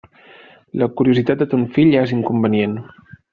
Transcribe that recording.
La curiositat de ton fill és inconvenient.